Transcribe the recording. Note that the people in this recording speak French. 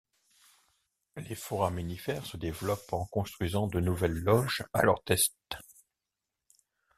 Les foraminifères se développent en construisant de nouvelles loges à leur test.